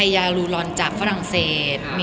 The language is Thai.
ยังพรังเศส